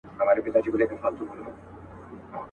سل وعدې مو هسې د اوبو پر سر کرلې وې.